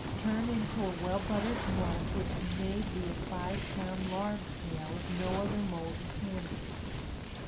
Turn into a well buttered mold which may be a five pound lard pail, if no other mold is handy.